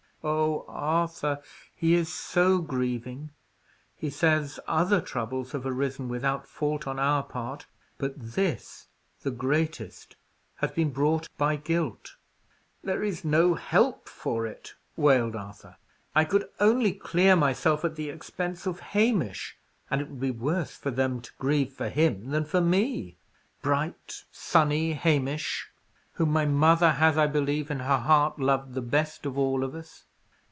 Oh, Arthur, he is so grieving! He says other troubles have arisen without fault on our part; but this, the greatest, has been brought by guilt." "There is no help for it," wailed Arthur. "I could only clear myself at the expense of Hamish, and it would be worse for them to grieve for him than for me. Bright, sunny Hamish! whom my mother has, I believe in her heart, loved the best of all of us.